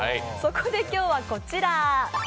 そこで今日はこちら。